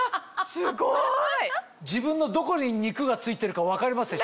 すごい！自分のどこに肉が付いてるか分かりますでしょ？